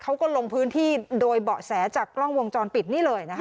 เขาก็ลงพื้นที่โดยเบาะแสจากกล้องวงจรปิดนี่เลยนะคะ